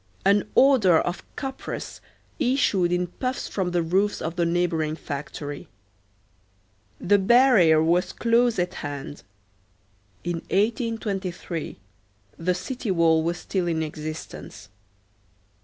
An odor of copperas issued in puffs from the roofs of the neighboring factory. The barrier was close at hand. In 1823 the city wall was still in existence.